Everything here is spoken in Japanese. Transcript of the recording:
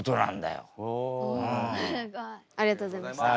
すごい。ありがとうございました。